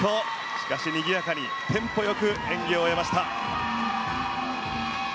しかし、にぎやかにテンポ良く演技を終えました。